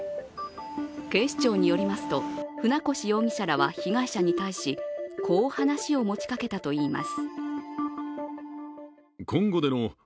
警視庁によりますと、船越容疑者らは被害者に対しこう話を持ちかけたといいます。